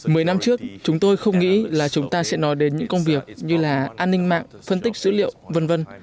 mười năm trước chúng tôi không nghĩ là chúng ta sẽ nói đến những công việc như là an ninh mạng phân tích dữ liệu v v